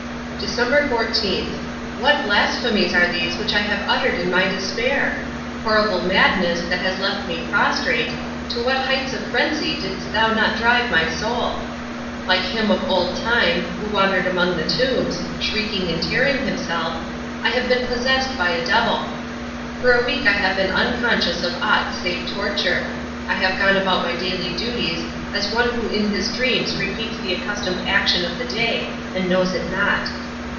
December 14th. What blasphemies are these which I have uttered in my despair? Horrible madness that has left me prostrate, to what heights of frenzy didst thou not drive my soul! Like him of old time, who wandered among the tombs, shrieking and tearing himself, I have been possessed by a devil. For a week I have been unconscious of aught save torture. I have gone about my daily duties as one who in his dreams repeats the accustomed action of the day, and knows it not.